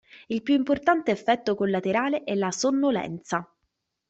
Il più importante effetto collaterale è la sonnolenza.